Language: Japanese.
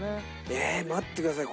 ええー待ってください。